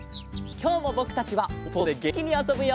きょうもぼくたちはおそとでげんきにあそぶよ。